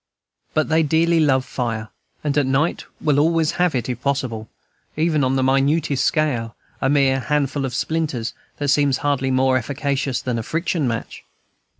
But they dearly love fire, and at night will always have it, if possible, even on the minutest scale, a mere handful of splinters, that seems hardly more efficacious than a friction match.